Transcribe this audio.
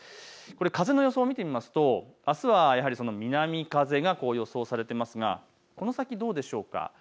風の予想を見てみますとあすは南風が予想されていますがこの先、どうでしょうか。